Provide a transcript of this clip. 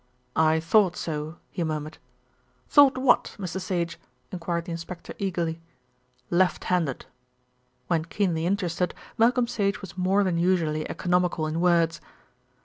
"I thought so," he murmured. "Thought what, Mr. Sage?" enquired the inspector eagerly. "Left handed." When keenly interested Malcolm Sage was more than usually economical in words.